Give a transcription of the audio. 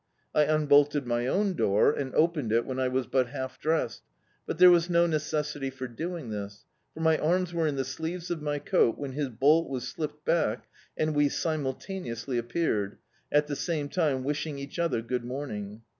I unbolted my own door, and opened it when I was but half dressed, but there was no necessity for doing this, for my arms were in the sleeves of my coat when his bolt was slipped back, and we simultaneously appeared, at the same time wishing each other good morning.